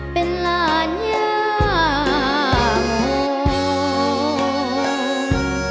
เป็นราญญาโมง